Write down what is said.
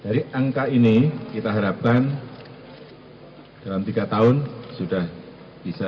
dari angka ini kita harapkan dalam tiga tahun sudah bisa